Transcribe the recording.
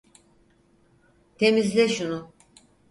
Temizle şunu.